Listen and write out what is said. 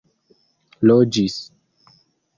loĝis